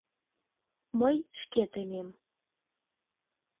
Мый шке темем.